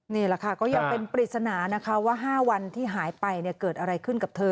นี่แหละค่ะก็ยังเป็นปริศนานะคะว่า๕วันที่หายไปเกิดอะไรขึ้นกับเธอ